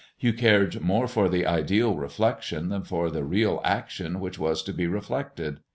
You cared more for the ideal reflection than for the real action which was to be reflected.